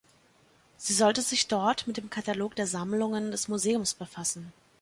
Sie sollte sich dort mit dem Katalog der Sammlungen des Museums befassen.